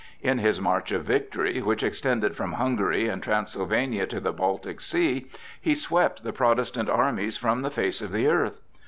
In his march of victory, which extended from Hungary and Transylvania to the Baltic Sea, he swept the Protestant armies from the face of the earth.